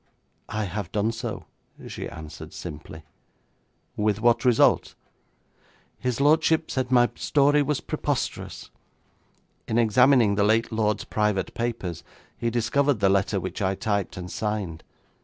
'I have done so,' she answered simply. 'With what result?' 'His lordship said my story was preposterous. In examining the late lord's private papers, he discovered the letter which I typed and signed.